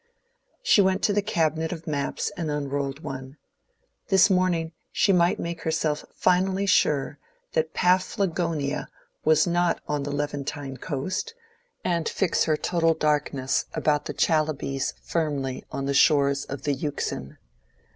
She went to the cabinet of maps and unrolled one: this morning she might make herself finally sure that Paphlagonia was not on the Levantine coast, and fix her total darkness about the Chalybes firmly on the shores of the Euxine.